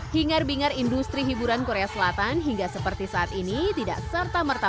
hingar bingar industri hiburan korea selatan hingga seperti saat ini tidak serta merta